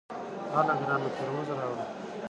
هله ګرانه ترموز راوړه !